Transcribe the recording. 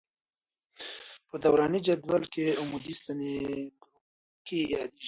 په دوراني جدول کې عمودي ستنې ګروپ یادیږي.